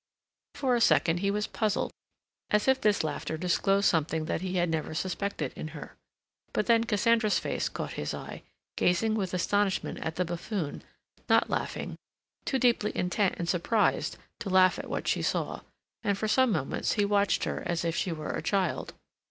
For a second he was puzzled, as if this laughter disclosed something that he had never suspected in her. But then Cassandra's face caught his eye, gazing with astonishment at the buffoon, not laughing, too deeply intent and surprised to laugh at what she saw, and for some moments he watched her as if she were a child.